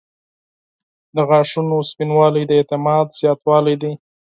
• د غاښونو سپینوالی د اعتماد زیاتوالی دی.